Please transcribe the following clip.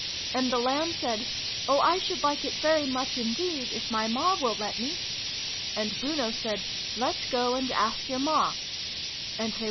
' And the Lamb said ' Oh, I should like it very much indeed, if my Ma will let me !' And Bruno said ' Let's go and ask your Ma